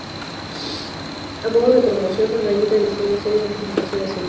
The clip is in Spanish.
A modo de promoción, Anahí realizó una serie de presentaciones en vivo.